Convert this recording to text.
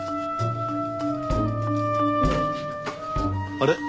あれ？